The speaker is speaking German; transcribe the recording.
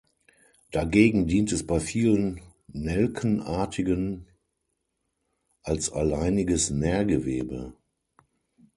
Dagegen dient es bei vielen Nelkenartigen als alleiniges Nährgewebe.